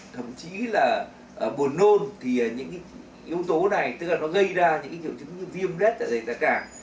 thậm chí là buồn nôn thì những yếu tố này tức là nó gây ra những triệu chứng như viêm lết ở dày tạ tràng